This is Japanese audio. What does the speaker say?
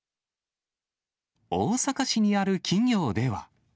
大阪市にある企業では。